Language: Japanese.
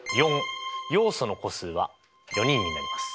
要素の個数は４人になります。